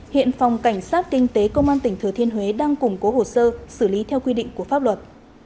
hiện phòng cảnh sát kinh tế công an tỉnh thừa thiên huế đang củng cố hồ sơ xử lý theo quy định của pháp luật